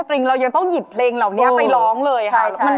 ริงเรายังต้องหยิบเพลงเหล่านี้ไปร้องเลยค่ะ